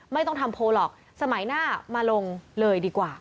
ไม่ต้องทำโพลหรอกสมัยหน้ามาลงเลยดีกว่า